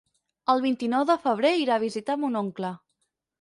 El vint-i-nou de febrer irà a visitar mon oncle.